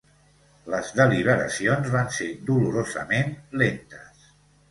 Les deliberacions van ser dolorosament lentes.